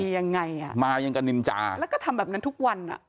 ที่มายังกระนิมจาระทีทำแบบนั้นทุกวัน